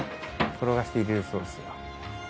転がして入れるそうですよ。